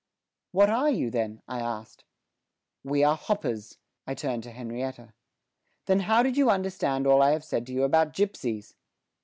What are you then? The Man. We are hoppers. Myself (to Henrietta). Then how did you understand all I have said to you about gipsies?